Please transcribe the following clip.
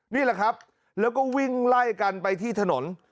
นี่แหละครับแล้วก็วิ่งไล่กันไปที่ถนน